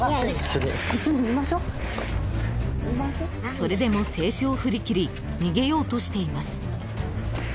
［それでも制止を振り切り逃げようとしています］